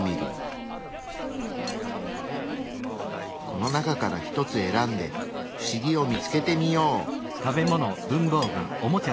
この中から１つ選んで不思議を見つけてみよう。